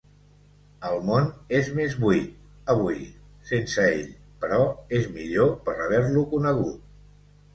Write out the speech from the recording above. El món és més buit, avui, sense ell, però és millor per haver-lo conegut.